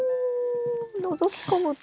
のぞき込むと。